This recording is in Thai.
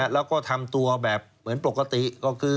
แล้วก็ทำตัวแบบเหมือนปกติก็คือ